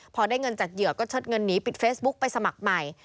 พอได้เงินจากเหยื่อก็เชิดเงินหนีปิดเฟซบุ๊กไปสมัครใหม่